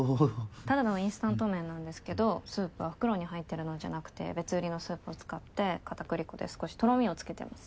ただのインスタント麺なんですけどスープは袋に入ってるのじゃなくて別売りのスープを使ってかたくり粉で少しとろみをつけてます。